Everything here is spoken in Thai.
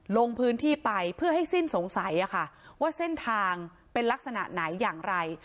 ลงพื้นที่ไปเพื่อให้สิ้นสงสัยว่าเส้นทางเป็นลักษณะไหนอย่างไร